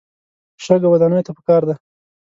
شګه ودانیو ته پکار ده.